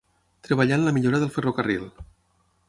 Treballà en la millora del ferrocarril.